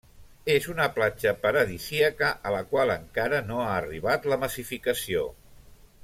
És una platja paradisíaca a la qual encara no ha arribat la massificació.